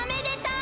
う